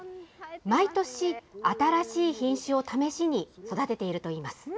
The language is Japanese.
毎年、新しい品種を試しに育てているといいます。